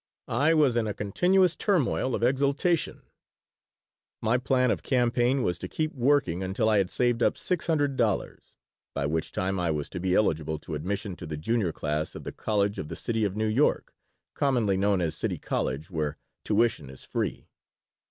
I was in a continuous turmoil of exultation My plan of campaign was to keep working until I had saved up six hundred dollars, by which time I was to be eligible to admission to the junior class of the College of the City of New York, commonly known as City College, where tuition is free.